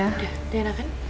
udah enak kan